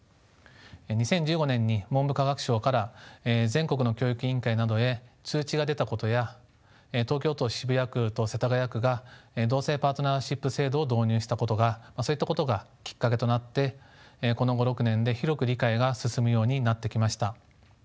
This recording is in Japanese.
２０１５年に文部科学省から全国の教育委員会などへ通知が出たことや東京都渋谷区と世田谷区が同性パートナーシップ制度を導入したことがそういったことがきっかけとなってこの５６年で広く理解が進むようになってきました。